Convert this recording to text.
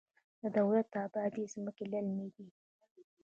د دولت اباد ځمکې للمي دي